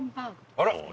あら！